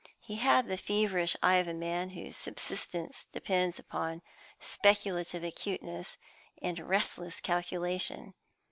He had the feverish eye of a man whose subsistence depends upon speculative acuteness and restless calculation.